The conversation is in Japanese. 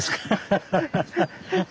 ハハハハハ。